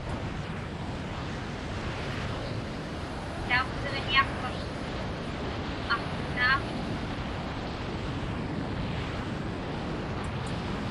Tauqsiġñiaqpak akłunaamik?